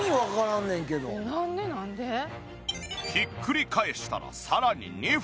ひっくり返したらさらに２分。